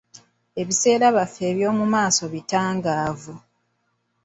Ebiseera byaffe eby'omu maaso bitangaavu.